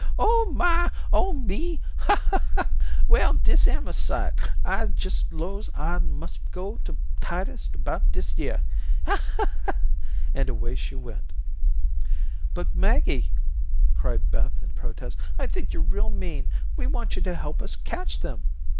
Oh my, oh me. Ha, ha, ha. Well, dis am a sight. I jes' 'lows I must go to Titus about dis yere. Ha, ha, ha," and away she went. "But, Maggie," cried Beth in protest, "I think you're real mean. We want you to help us catch them."